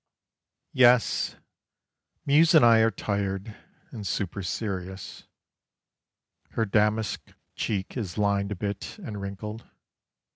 Yes, Muse and I are tired, and super serious: Her damask cheek is lined a bit, and wrinkled.